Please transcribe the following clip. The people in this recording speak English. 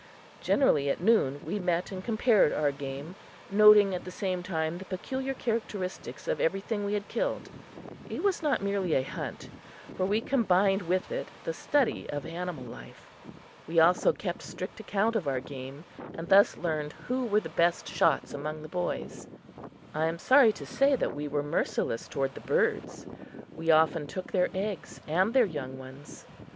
Generally, at noon, we met and compared our game, noting at the same time the peculiar characteristics of everything we had killed. It was not merely a hunt, for we combined with it the study of animal life. We also kept strict account of our game, and thus learned who were the best shots among the boys. I am sorry to say that we were merciless toward the birds. We often took their eggs and their young ones.